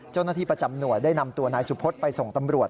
เจ้าหน้าที่ประจำหน่วยได้นำตัวนายสุพศไปส่งตำรวจ